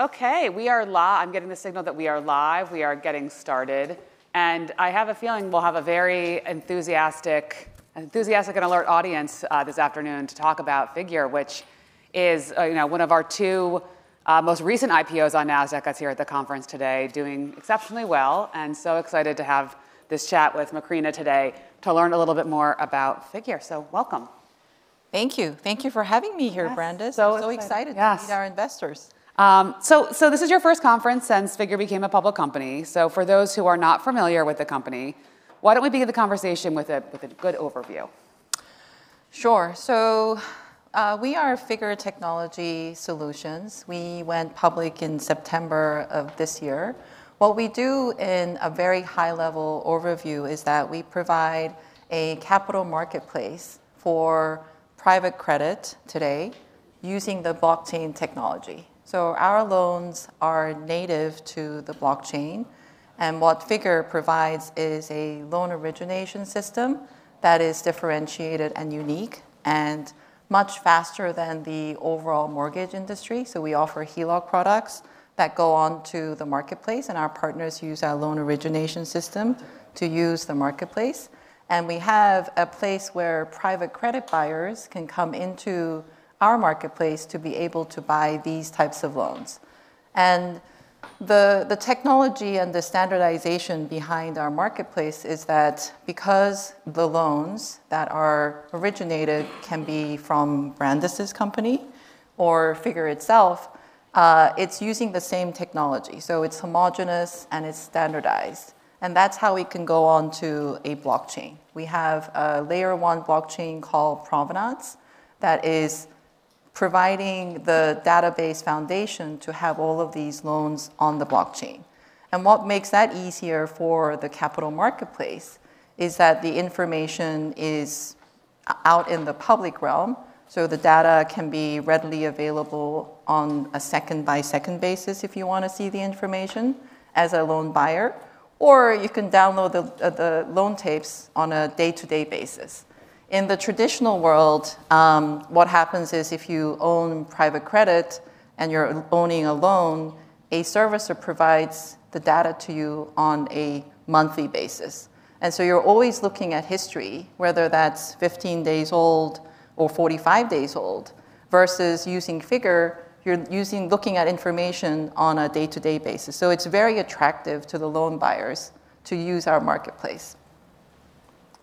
Okay, we are live. I'm getting the signal that we are live. We are getting started, and I have a feeling we'll have a very enthusiastic and alert audience this afternoon to talk about Figure, which is, you know, one of our two most recent IPOs on NASDAQ that's here at the conference today, doing exceptionally well, and so excited to have this chat with Macrina today to learn a little bit more about Figure, so welcome. Thank you. Thank you for having me here, Brandis. So excited to meet our investors. So this is your first conference since Figure became a public company. So for those who are not familiar with the company, why don't we begin the conversation with a good overview? Sure. So we are Figure Technology Solutions. We went public in September of this year. What we do in a very high-level overview is that we provide a capital marketplace for private credit today using the blockchain technology. So our loans are native to the blockchain. And what Figure provides is a loan origination system that is differentiated and unique and much faster than the overall mortgage industry. So we offer HELOC products that go on to the marketplace. And our partners use our loan origination system to use the marketplace. And we have a place where private credit buyers can come into our marketplace to be able to buy these types of loans. And the technology and the standardization behind our marketplace is that because the loans that are originated can be from Brandis's company or Figure itself, it's using the same technology. So it's homogenous and it's standardized. That's how we can go on to a blockchain. We have a layer one blockchain called Provenance that is providing the database foundation to have all of these loans on the blockchain. And what makes that easier for the capital marketplace is that the information is out in the public realm. So the data can be readily available on a second-by-second basis if you want to see the information as a loan buyer. Or you can download the loan tapes on a day-to-day basis. In the traditional world, what happens is if you own private credit and you're owning a loan, a servicer provides the data to you on a monthly basis. And so you're always looking at history, whether that's 15 days old or 45 days old, versus using Figure, you're looking at information on a day-to-day basis. So it's very attractive to the loan buyers to use our marketplace.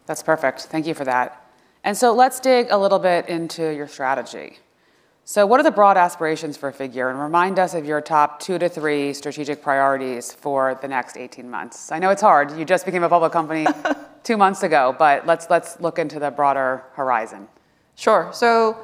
That's perfect. Thank you for that. And so let's dig a little bit into your strategy. So what are the broad aspirations for Figure? And remind us of your top two to three strategic priorities for the next 18 months. I know it's hard. You just became a public company two months ago, but let's look into the broader horizon. Sure. So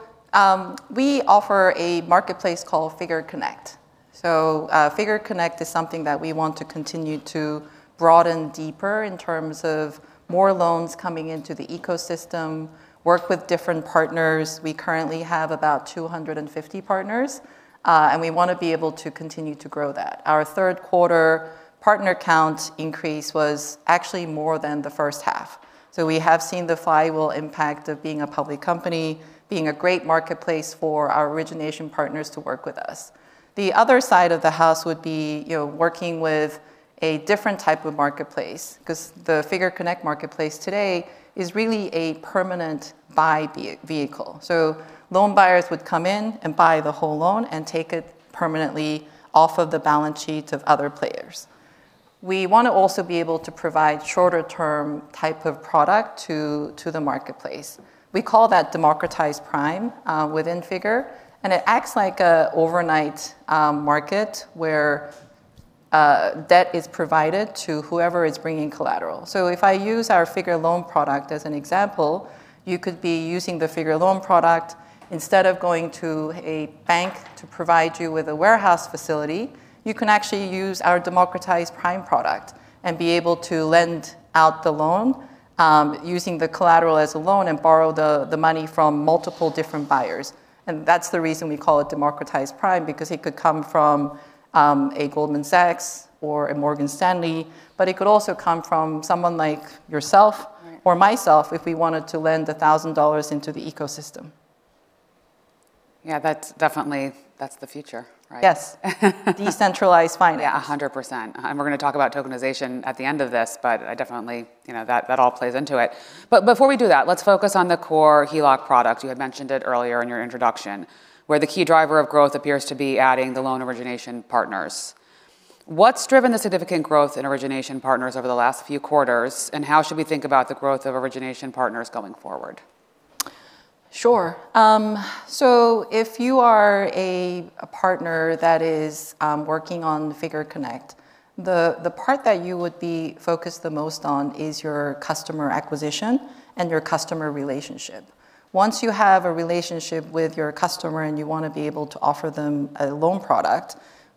we offer a marketplace called Figure Connect. So Figure Connect is something that we want to continue to broaden deeper in terms of more loans coming into the ecosystem, work with different partners. We currently have about 250 partners, and we want to be able to continue to grow that. Our third quarter partner count increase was actually more than the first half. So we have seen the flywheel impact of being a public company, being a great marketplace for our origination partners to work with us. The other side of the house would be working with a different type of marketplace because the Figure Connect marketplace today is really a permanent buy vehicle. So loan buyers would come in and buy the whole loan and take it permanently off of the balance sheets of other players. We want to also be able to provide shorter-term type of product to the marketplace. We call that Democratized Prime within Figure, and it acts like an overnight market where debt is provided to whoever is bringing collateral, so if I use our Figure loan product as an example, you could be using the Figure loan product instead of going to a bank to provide you with a warehouse facility. You can actually use our Democratized Prime product and be able to lend out the loan using the collateral as a loan and borrow the money from multiple different buyers, and that's the reason we call it Democratized Prime, because it could come from a Goldman Sachs or a Morgan Stanley, but it could also come from someone like yourself or myself if we wanted to lend $1,000 into the ecosystem. Yeah, that's definitely, that's the future, right? Yes. Decentralized finance. Yeah, 100%. And we're going to talk about tokenization at the end of this, but I definitely, you know, that all plays into it. But before we do that, let's focus on the core HELOC product. You had mentioned it earlier in your introduction, where the key driver of growth appears to be adding the loan origination partners. What's driven the significant growth in origination partners over the last few quarters, and how should we think about the growth of origination partners going forward? Sure. So if you are a partner that is working on Figure Connect, the part that you would be focused the most on is your customer acquisition and your customer relationship. Once you have a relationship with your customer and you want to be able to offer them a loan product,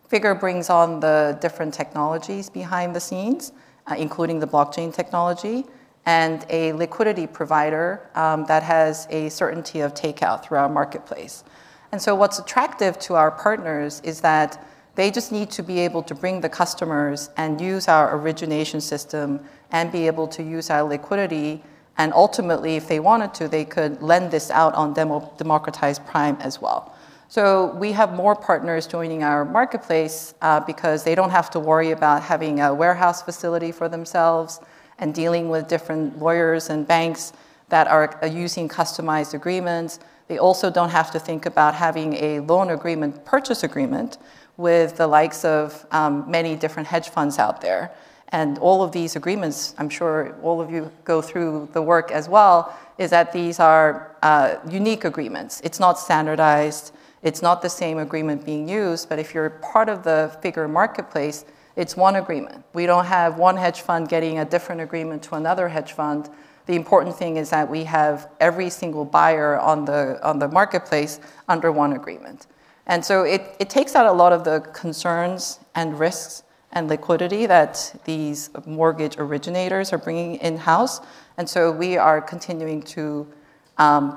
Figure brings on the different technologies behind the scenes, including the blockchain technology and a liquidity provider that has a certainty of takeout through our marketplace. And so what's attractive to our partners is that they just need to be able to bring the customers and use our origination system and be able to use our liquidity. And ultimately, if they wanted to, they could lend this out on Democratized Prime as well. So we have more partners joining our marketplace because they don't have to worry about having a warehouse facility for themselves and dealing with different lawyers and banks that are using customized agreements. They also don't have to think about having a loan agreement, purchase agreement with the likes of many different hedge funds out there. And all of these agreements, I'm sure all of you go through the work as well, is that these are unique agreements. It's not standardized. It's not the same agreement being used. But if you're part of the Figure marketplace, it's one agreement. We don't have one hedge fund getting a different agreement to another hedge fund. The important thing is that we have every single buyer on the marketplace under one agreement. And so it takes out a lot of the concerns and risks and liquidity that these mortgage originators are bringing in-house. And so we are continuing to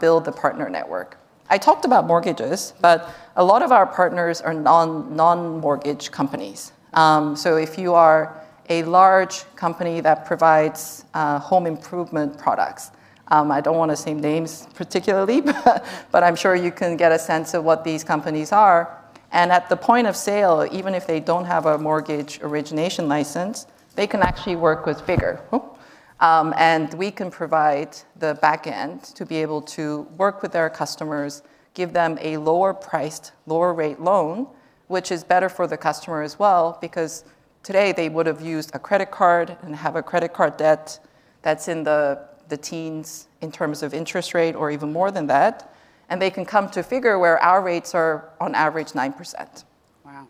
build the partner network. I talked about mortgages, but a lot of our partners are non-mortgage companies. So if you are a large company that provides home improvement products, I don't want to say names particularly, but I'm sure you can get a sense of what these companies are. And at the point of sale, even if they don't have a mortgage origination license, they can actually work with Figure. And we can provide the backend to be able to work with their customers, give them a lower-priced, lower-rate loan, which is better for the customer as well, because today they would have used a credit card and have a credit card debt that's in the teens in terms of interest rate or even more than that. And they can come to Figure where our rates are on average 9%. Wow.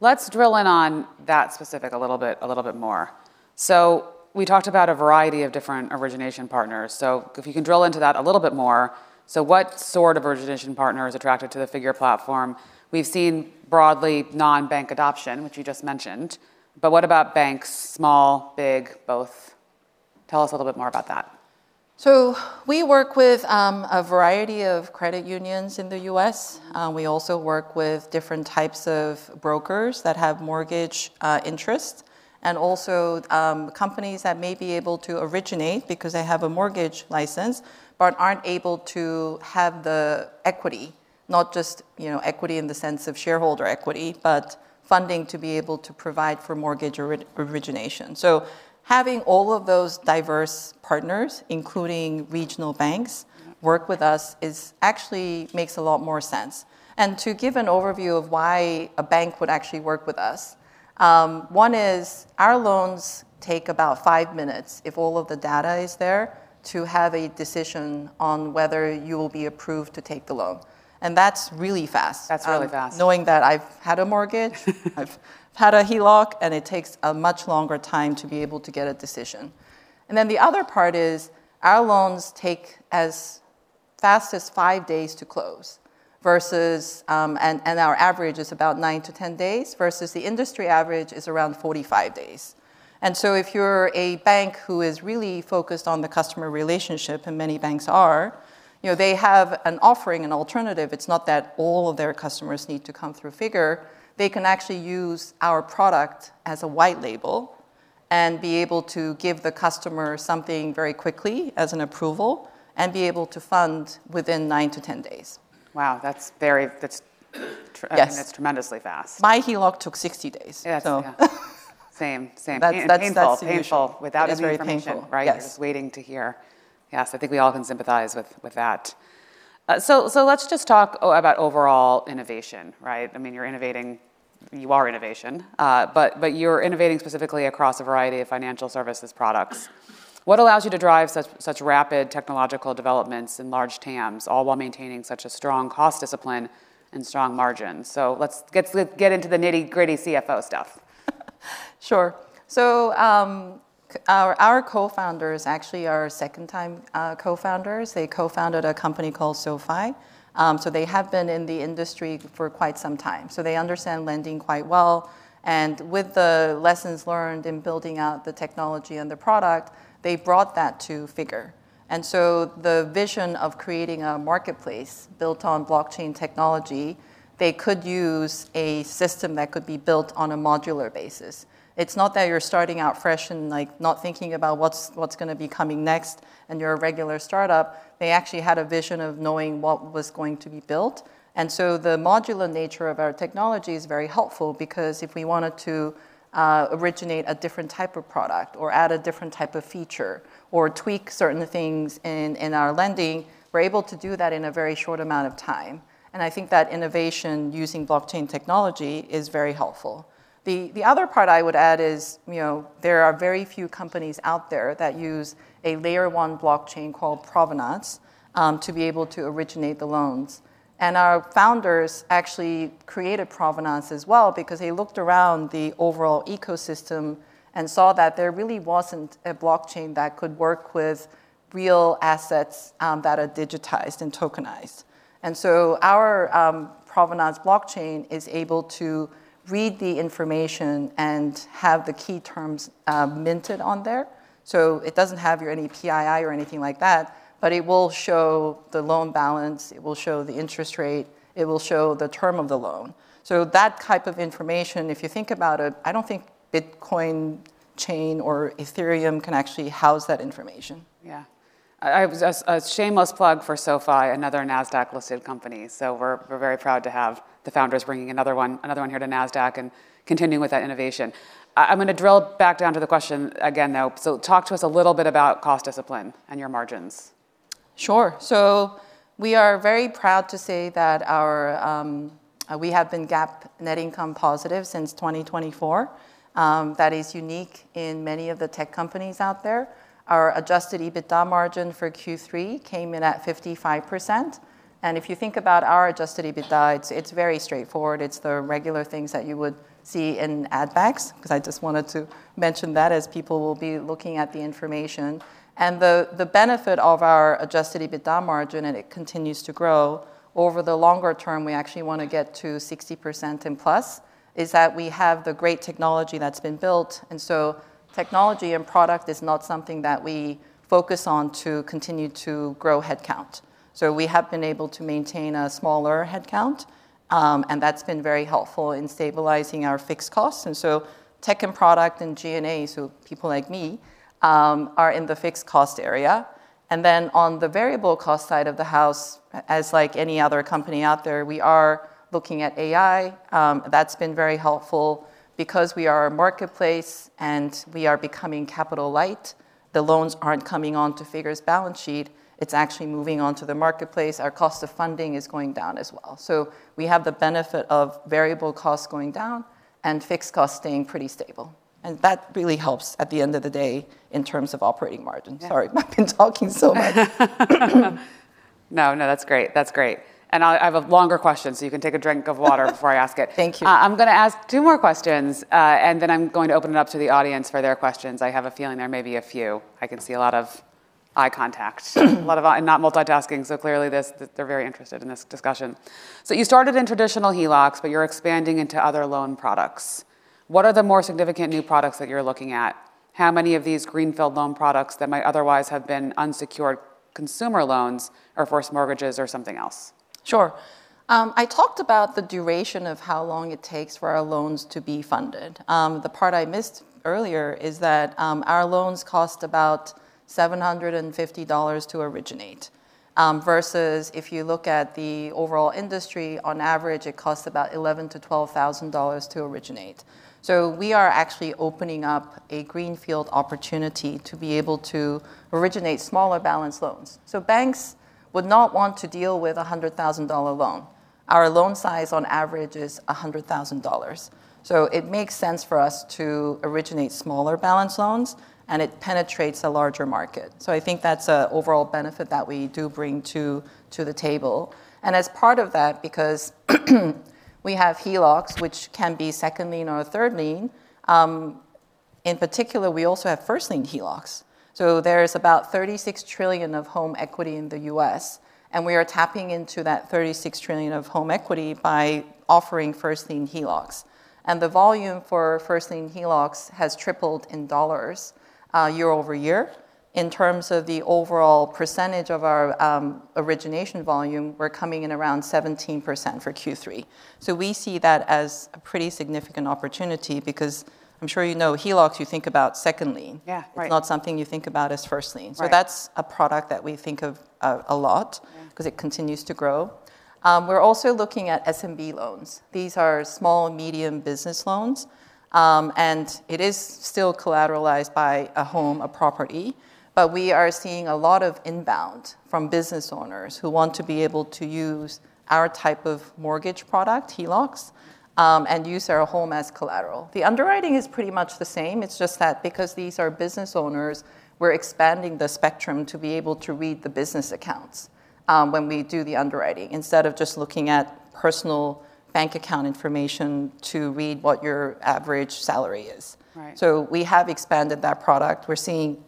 Let's drill in on that specifics a little bit more. So we talked about a variety of different origination partners. So if you can drill into that a little bit more. So what sort of origination partner is attracted to the Figure platform? We've seen broadly non-bank adoption, which you just mentioned. But what about banks, small, big, both? Tell us a little bit more about that. So we work with a variety of credit unions in the U.S. We also work with different types of brokers that have mortgage interest and also companies that may be able to originate because they have a mortgage license, but aren't able to have the equity, not just equity in the sense of shareholder equity, but funding to be able to provide for mortgage origination. So having all of those diverse partners, including regional banks, work with us actually makes a lot more sense. And to give an overview of why a bank would actually work with us, one is our loans take about five minutes if all of the data is there to have a decision on whether you will be approved to take the loan. And that's really fast. That's really fast. Knowing that I've had a mortgage, I've had a HELOC, and it takes a much longer time to be able to get a decision, and then the other part is our loans take as fast as five days to close versus, and our average is about 9 to 10 days versus the industry average is around 45 days, and so if you're a bank who is really focused on the customer relationship, and many banks are, they have an offering, an alternative. It's not that all of their customers need to come through Figure. They can actually use our product as a white label and be able to give the customer something very quickly as an approval and be able to fund within 9 to 10 days. Wow, that's tremendously fast. My HELOC took 60 days. Yeah, same, same. Painful, painful. Without it, it's very painful, right? Just waiting to hear. Yes, I think we all can sympathize with that. So let's just talk about overall innovation, right? I mean, you're innovating, you are innovation, but you're innovating specifically across a variety of financial services products. What allows you to drive such rapid technological developments and large TAMs, all while maintaining such a strong cost discipline and strong margins? So let's get into the nitty-gritty CFO stuff. Sure. So our co-founders actually are second-time co-founders. They co-founded a company called SoFi. So they have been in the industry for quite some time. So they understand lending quite well. And with the lessons learned in building out the technology and the product, they brought that to Figure. And so the vision of creating a marketplace built on blockchain technology, they could use a system that could be built on a modular basis. It's not that you're starting out fresh and not thinking about what's going to be coming next and you're a regular startup. They actually had a vision of knowing what was going to be built. And so the modular nature of our technology is very helpful because if we wanted to originate a different type of product or add a different type of feature or tweak certain things in our lending, we're able to do that in a very short amount of time. And I think that innovation using blockchain technology is very helpful. The other part I would add is there are very few companies out there that use a layer one blockchain called Provenance to be able to originate the loans. And our founders actually created Provenance as well because they looked around the overall ecosystem and saw that there really wasn't a blockchain that could work with real assets that are digitized and tokenized. And so our Provenance blockchain is able to read the information and have the key terms minted on there. So it doesn't have any PII or anything like that, but it will show the loan balance. It will show the interest rate. It will show the term of the loan. So that type of information, if you think about it, I don't think Bitcoin chain or Ethereum can actually house that information. Yeah. A shameless plug for SoFi, another NASDAQ-listed company. So we're very proud to have the founders bringing another one here to NASDAQ and continuing with that innovation. I'm going to drill back down to the question again, though. So talk to us a little bit about cost discipline and your margins. Sure. So we are very proud to say that we have been GAAP net income positive since 2024. That is unique in many of the tech companies out there. Our adjusted EBITDA margin for Q3 came in at 55%. And if you think about our adjusted EBITDA, it's very straightforward. It's the regular things that you would see in add-backs, because I just wanted to mention that as people will be looking at the information. And the benefit of our adjusted EBITDA margin, and it continues to grow over the longer term, we actually want to get to 60% and plus, is that we have the great technology that's been built. And so technology and product is not something that we focus on to continue to grow headcount. So we have been able to maintain a smaller headcount, and that's been very helpful in stabilizing our fixed costs. And so tech and product and G&A, so people like me, are in the fixed cost area. And then on the variable cost side of the house, as like any other company out there, we are looking at AI. That's been very helpful because we are a marketplace and we are becoming capital light. The loans aren't coming onto Figure's balance sheet. It's actually moving on to the marketplace. Our cost of funding is going down as well. So we have the benefit of variable costs going down and fixed costs staying pretty stable. And that really helps at the end of the day in terms of operating margin. Sorry, I've been talking so much. No, no, that's great. That's great. And I have a longer question, so you can take a drink of water before I ask it. Thank you. I'm going to ask two more questions, and then I'm going to open it up to the audience for their questions. I have a feeling there may be a few. I can see a lot of eye contact, a lot of not multitasking. So clearly, they're very interested in this discussion. So you started in traditional HELOCs, but you're expanding into other loan products. What are the more significant new products that you're looking at? How many of these greenfield loan products that might otherwise have been unsecured consumer loans are first mortgages or something else? Sure. I talked about the duration of how long it takes for our loans to be funded. The part I missed earlier is that our loans cost about $750 to originate versus if you look at the overall industry, on average, it costs about $11,000-$12,000 to originate, so we are actually opening up a greenfield opportunity to be able to originate smaller balance loans, so banks would not want to deal with a $100,000 loan. Our loan size on average is $100,000, so it makes sense for us to originate smaller balance loans, and it penetrates a larger market, so I think that's an overall benefit that we do bring to the table, and as part of that, because we have HELOCs, which can be second lien or third lien, in particular, we also have first lien HELOCs. So there is about $36 trillion of home equity in the U.S., and we are tapping into that $36 trillion of home equity by offering first lien HELOCs. And the volume for first lien HELOCs has tripled in dollars year over year. In terms of the overall percentage of our origination volume, we're coming in around 17% for Q3. So we see that as a pretty significant opportunity because I'm sure you know HELOCs, you think about second lien. It's not something you think about as first lien. So that's a product that we think of a lot because it continues to grow. We're also looking at SMB loans. These are small, medium business loans, and it is still collateralized by a home, a property, but we are seeing a lot of inbound from business owners who want to be able to use our type of mortgage product, HELOCs, and use their home as collateral. The underwriting is pretty much the same. It's just that because these are business owners, we're expanding the spectrum to be able to read the business accounts when we do the underwriting instead of just looking at personal bank account information to read what your average salary is. So we have expanded that product. We're seeing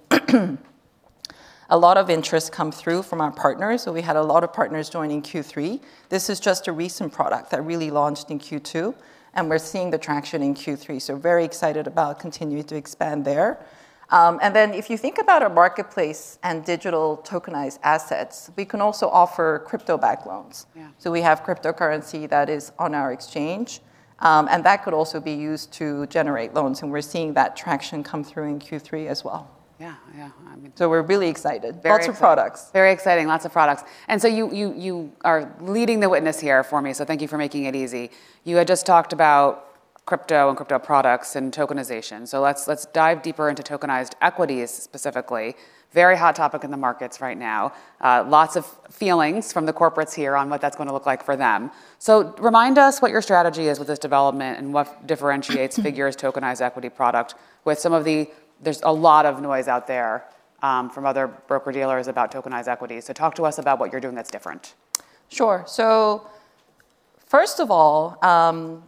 a lot of interest come through from our partners. So we had a lot of partners joining Q3. This is just a recent product that really launched in Q2, and we're seeing the traction in Q3. So very excited about continuing to expand there. And then if you think about our marketplace and digital tokenized assets, we can also offer crypto-backed loans. So we have cryptocurrency that is on our exchange, and that could also be used to generate loans. And we're seeing that traction come through in Q3 as well. Yeah, yeah. So we're really excited. Lots of products. Very exciting. Lots of products, and so you are leading the witness here for me, so thank you for making it easy. You had just talked about crypto and crypto products and tokenization, so let's dive deeper into tokenized equities specifically. Very hot topic in the markets right now. Lots of feelings from the corporates here on what that's going to look like for them, so remind us what your strategy is with this development and what differentiates Figure's tokenized equity product with some of the, there's a lot of noise out there from other broker-dealers about tokenized equity, so talk to us about what you're doing that's different. Sure. So first of all,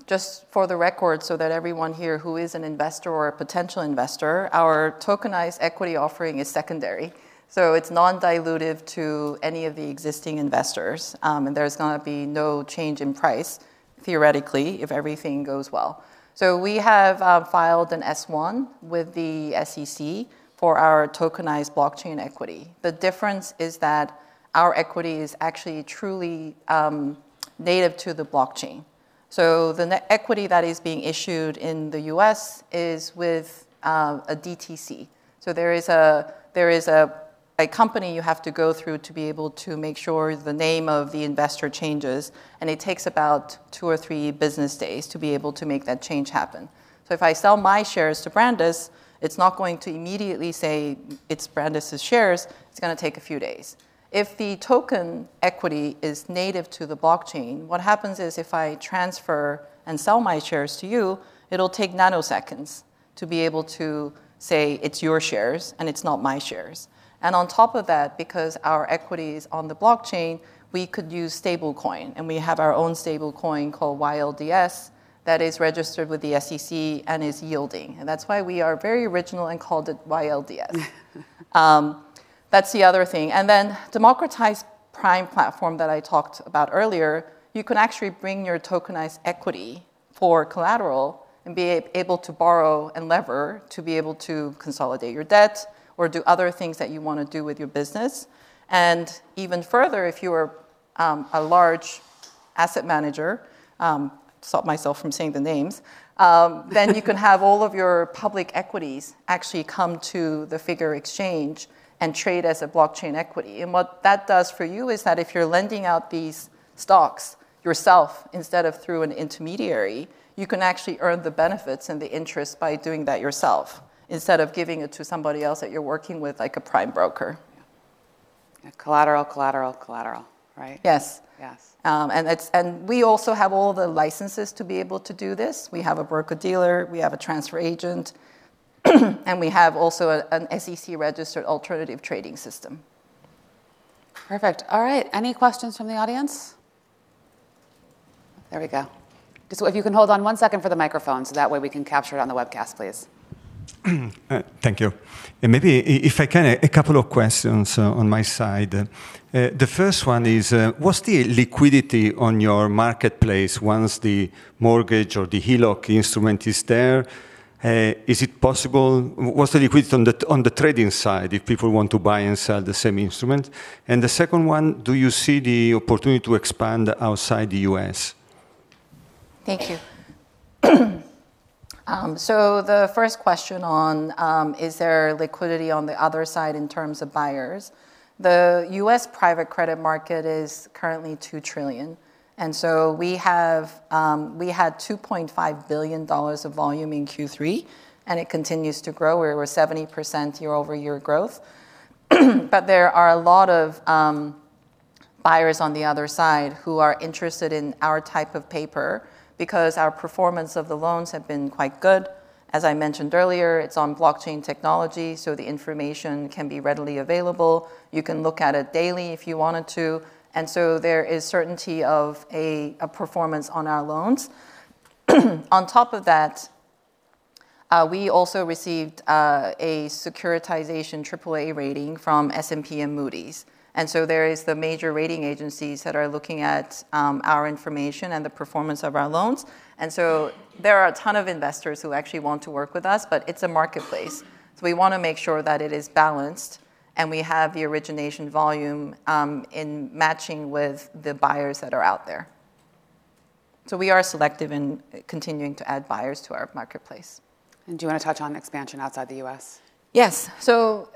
just for the record, so that everyone here who is an investor or a potential investor, our tokenized equity offering is secondary. So it's non-dilutive to any of the existing investors, and there's going to be no change in price, theoretically, if everything goes well. So we have filed an S-1 with the SEC for our tokenized blockchain equity. The difference is that our equity is actually truly native to the blockchain. So the equity that is being issued in the U.S. is with a DTC. So there is a company you have to go through to be able to make sure the name of the investor changes, and it takes about two or three business days to be able to make that change happen. So if I sell my shares to Brandis, it's not going to immediately say it's Brandis's shares. It's going to take a few days. If the token equity is native to the blockchain, what happens is if I transfer and sell my shares to you, it'll take nanoseconds to be able to say it's your shares and it's not my shares. And on top of that, because our equity is on the blockchain, we could use stablecoin, and we have our own stablecoin called YLDS that is registered with the SEC and is yielding. And that's why we are very original and called it YLDS. That's the other thing. And then the democratized prime platform that I talked about earlier, you can actually bring your tokenized equity for collateral and be able to borrow and lever to be able to consolidate your debt or do other things that you want to do with your business. And even further, if you are a large asset manager (stop myself from saying the names), then you can have all of your public equities actually come to the Figure Exchange and trade as a blockchain equity. And what that does for you is that if you're lending out these stocks yourself instead of through an intermediary, you can actually earn the benefits and the interest by doing that yourself instead of giving it to somebody else that you're working with, like a prime broker. Collateral, collateral, collateral, right? Yes. And we also have all the licenses to be able to do this. We have a broker-dealer, we have a transfer agent, and we have also an SEC-registered alternative trading system. Perfect. All right. Any questions from the audience? There we go. If you can hold on one second for the microphone so that way we can capture it on the webcast, please. Thank you. And maybe if I can, a couple of questions on my side. The first one is, what's the liquidity on your marketplace once the mortgage or the HELOC instrument is there? Is it possible? What's the liquidity on the trading side if people want to buy and sell the same instrument? And the second one, do you see the opportunity to expand outside the U.S.? Thank you. So the first question is: is there liquidity on the other side in terms of buyers? The U.S. private credit market is currently $2 trillion. And so we had $2.5 billion of volume in Q3, and it continues to grow. We were 70% year-over-year growth. But there are a lot of buyers on the other side who are interested in our type of paper because our performance of the loans has been quite good. As I mentioned earlier, it's on blockchain technology, so the information can be readily available. You can look at it daily if you wanted to. And so there is certainty of a performance on our loans. On top of that, we also received a securitization AAA rating from S&P and Moody's. And so there are the major rating agencies that are looking at our information and the performance of our loans. And so there are a ton of investors who actually want to work with us, but it's a marketplace. So we want to make sure that it is balanced and we have the origination volume in matching with the buyers that are out there. So we are selective in continuing to add buyers to our marketplace. Do you want to touch on expansion outside the U.S.? Yes, so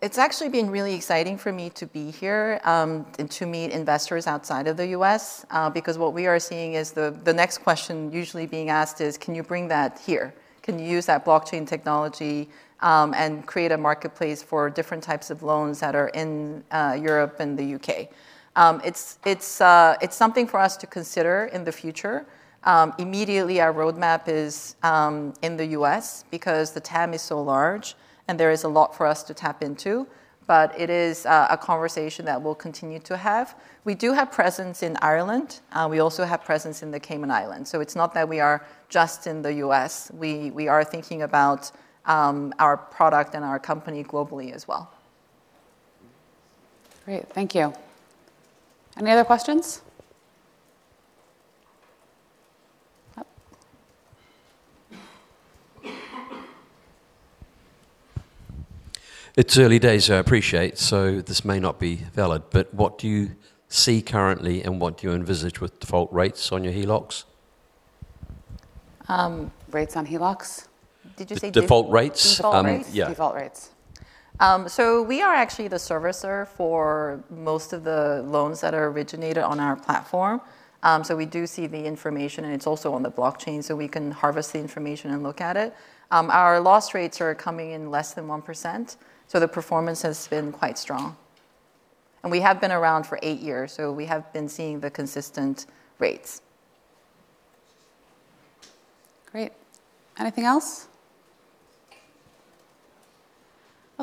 it's actually been really exciting for me to be here and to meet investors outside of the U.S. because what we are seeing is the next question usually being asked is, can you bring that here? Can you use that blockchain technology and create a marketplace for different types of loans that are in Europe and the U.K.? It's something for us to consider in the future. Immediately, our roadmap is in the U.S. because the TAM is so large and there is a lot for us to tap into. But it is a conversation that we'll continue to have. We do have presence in Ireland. We also have presence in the Cayman Islands, so it's not that we are just in the U.S. We are thinking about our product and our company globally as well. Great. Thank you. Any other questions? It's early days, I appreciate. So this may not be valid, but what do you see currently and what do you envisage with default rates on your HELOCs? Rates on HELOCs? Did you say default rates? Default rates. Default rates. So we are actually the servicer for most of the loans that are originated on our platform. So we do see the information, and it's also on the blockchain, so we can harvest the information and look at it. Our loss rates are coming in less than 1%, so the performance has been quite strong. And we have been around for eight years, so we have been seeing the consistent rates. Great. Anything else?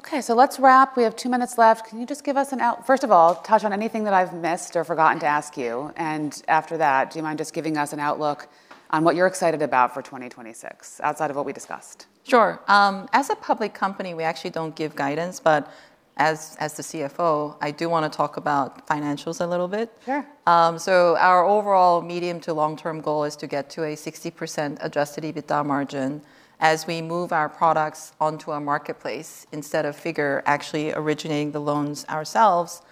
Okay. So let's wrap. We have two minutes left. Can you just give us an outlook? First of all, touch on anything that I've missed or forgotten to ask you. And after that, do you mind just giving us an outlook on what you're excited about for 2026 outside of what we discussed? Sure. As a public company, we actually don't give guidance, but as the CFO, I do want to talk about financials a little bit. So our overall medium to long-term goal is to get to a 60% Adjusted EBITDA margin. As we move our products onto a marketplace instead of Figure actually originating the loans ourselves,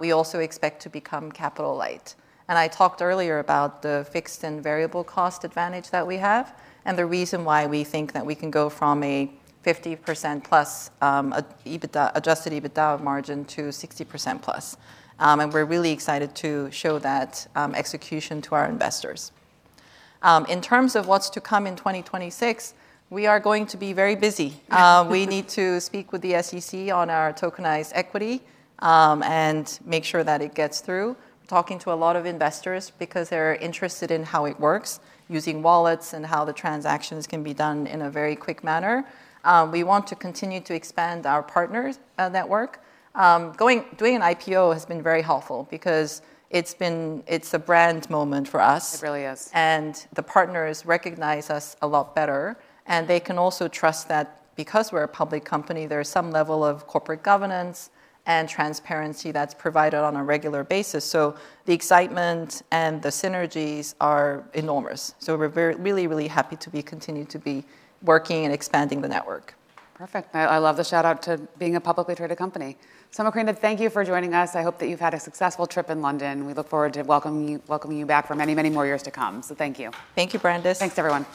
we also expect to become capital light. And I talked earlier about the fixed and variable cost advantage that we have and the reason why we think that we can go from a 50% plus Adjusted EBITDA margin to 60% plus. And we're really excited to show that execution to our investors. In terms of what's to come in 2026, we are going to be very busy. We need to speak with the SEC on our tokenized equity and make sure that it gets through. We're talking to a lot of investors because they're interested in how it works using wallets and how the transactions can be done in a very quick manner. We want to continue to expand our partner network. Doing an IPO has been very helpful because it's a brand moment for us. It really is. And the partners recognize us a lot better, and they can also trust that because we're a public company, there's some level of corporate governance and transparency that's provided on a regular basis. So the excitement and the synergies are enormous. So we're really, really happy to continue to be working and expanding the network. Perfect. I love the shout-out to being a publicly traded company. So Macrina, thank you for joining us. I hope that you've had a successful trip in London. We look forward to welcoming you back for many, many more years to come. So thank you. Thank you, Brandis. Thanks everyone.